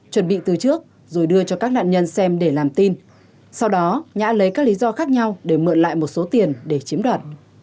chuẩn bị từ trước rồi đưa cho các nạn nhân xem để làm tin sau đó nhã lấy các lý do khác nhau để mượn lại một số tiền để chiếm đoạt